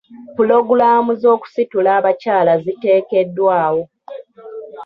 Pulogulaamu z'okusitula abakyala ziteekeddwawo.